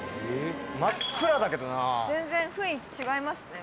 真っ暗だけどな全然雰囲気違いますね